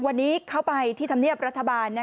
วันนี้เข้าไปที่ธรรมเนียบรัฐบาล